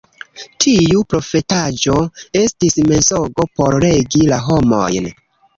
Tiu profetaĵo estis mensogo por regi la homojn.